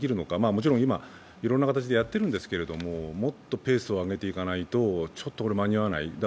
もちろん今、いろんな形でやっているんですけれども、もっとペースを上げていかないと、間に合わない。